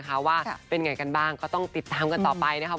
เป็นอย่างไรกันบ้างก็ต้องติดตามกันต่อไปนะครับ